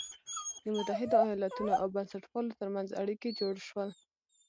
د متحدو ایالتونو او بنسټپالو تر منځ اړیکي جوړ شول.